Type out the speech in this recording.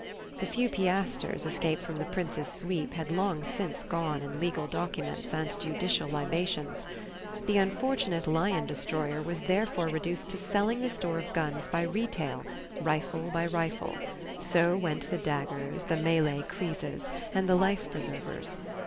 The few piashtres escaped from the prince's sweep had long since gone in legal documents and judicial libations. The unfortunate lion destroyer was therefore reduced to selling the store of guns by retail, rifle by rifle; so went the daggers, the Malay kreeses, and the life preservers.